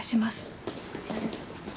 こちらです。